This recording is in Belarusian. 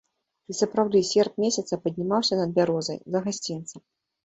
І сапраўды серп месяца паднімаўся над бярозай, за гасцінцам.